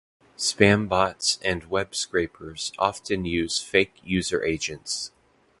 Spam bots and Web scrapers often use fake user agents.